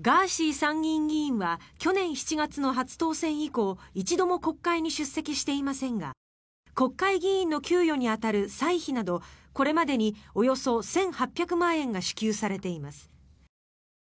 ガーシー参議院議員は去年７月の初当選以降一度も国会に出席していませんが国会議員の給与に当たる歳費などこれまでにおよそ１８００万円が支給されています。